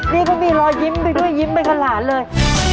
นี่ก็มีรอยยิ้มไปด้วยยิ้มไปกับหลานเลย